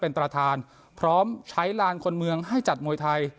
เป็นประธานพร้อมใช้ลานคนเมืองให้จัดมวยไทย